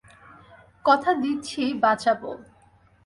কথা দিচ্ছি বাঁচাবো।